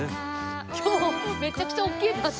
今日めちゃくちゃ大きいバスですね。